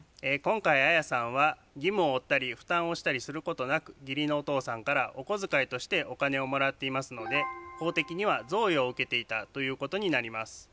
今回アヤさんは義務を負ったり負担をしたりすることなく義理のお父さんからお小遣いとしてお金をもらっていますので法的には贈与を受けていたということになります。